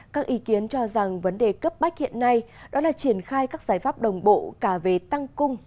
các ý kiến cho rằng vấn đề cấp bách hiện nay đó là triển khai các giải pháp đồng bộ cả về tăng cung